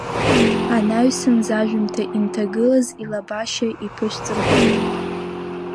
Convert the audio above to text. Анаҩсан зажәымҭа инҭагылаз, илабашьа иԥышьҵыргәаны…